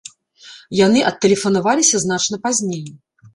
Яны адтэлефанаваліся значна пазней.